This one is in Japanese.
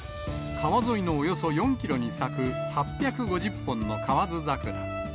川沿いのおよそ４キロに咲く、８５０本の河津桜。